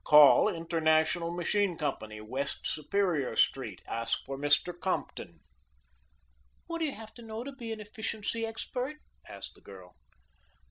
Call International Machine Company, West Superior Street. Ask for Mr. Compton. "What do you have to know to be an efficiency expert?" asked the girl.